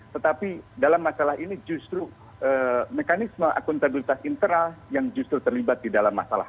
tetapi dalam masalah ini justru mekanisme akuntabilitas internal yang justru terlibat di dalam masalah